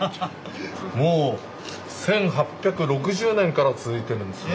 もう１８６０年から続いてるんですね。